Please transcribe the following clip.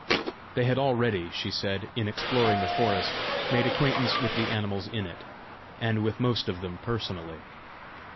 They had already, she said, in exploring the forest, made acquaintance with the animals in it, and with most of them personally.